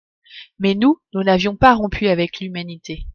Mais nous, nous n'avions pas rompu avec l'humanité.